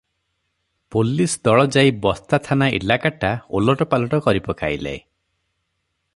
Police ଦଳ ଯାଇ ବସ୍ତାଥାନା ଇଲାକାଟା ଓଲଟ ପାଲଟ କରିପକାଇଲେ ।